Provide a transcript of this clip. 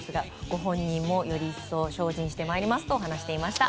ご本人もより一層、精進してまいりますと話していました。